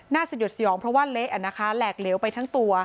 น่าสะยดเสียองเพราะว่าเละอนาคารแหลกเหลวไปทั้งตัว